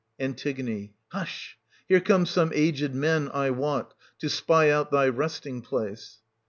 no An. Hush ! Here come some aged men, I wot, to spy out thy resting place.